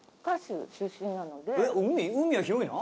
海は広いな？